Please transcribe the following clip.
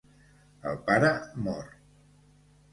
El pare mor.